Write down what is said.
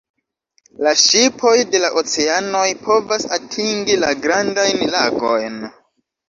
La ŝipoj de la oceanoj povas atingi la Grandajn Lagojn.